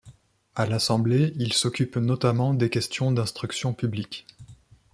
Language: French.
À l'Assemblée, il s'occupe notamment des questions d'instruction publique.